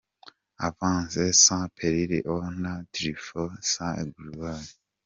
A vaincre sans péril on triomphe sans gloire!.